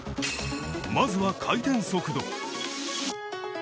まずは回転速度。